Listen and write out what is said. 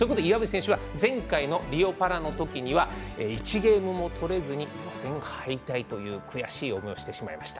前回のリオパラのときには１ゲームも取れずに予選敗退という悔しい思いをしてしまいました。